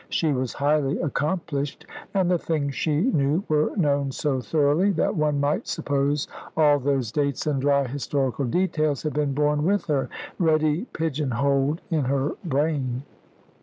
She was highly accomplished, and the things she knew were known so thoroughly, that one might suppose all those dates and dry historical details had been born with her, ready pigeon holed in her brain.